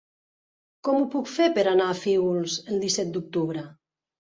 Com ho puc fer per anar a Fígols el disset d'octubre?